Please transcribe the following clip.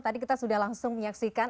tadi kita sudah langsung menyaksikan